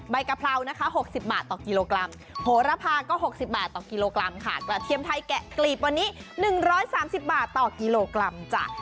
ใบกะเพรานะคะ๖๐บาทต่อกิโลกรัม